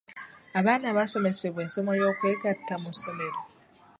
Abaana basomesebwa essomo ly'okwegatta mu ssomero?